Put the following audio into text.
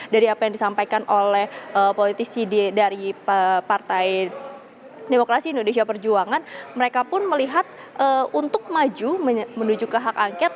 dari apa yang disampaikan oleh politisi dari partai demokrasi indonesia perjuangan mereka pun melihat untuk maju menuju ke hak angket